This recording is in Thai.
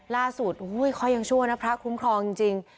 ล่าสุดอุ้ยข้อยังชั่วนะพระคุ้มครองจริง